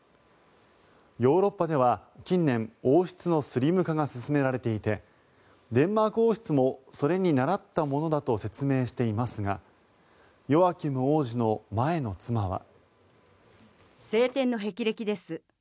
ヨーロッパでは近年王室のスリム化が進められていてデンマーク王室もそれに倣ったものだと説明していますがヨアキム王子の前の妻は。